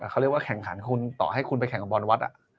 เขาเรียกว่าแข่งขันคุณต่อให้คุณไปแข่งกับบอลวัด